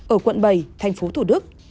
ở quận bảy thành phố thủ đức